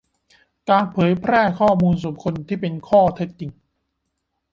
การเผยแพร่ข้อมูลส่วนบุคคลที่เป็นข้อเท็จจริง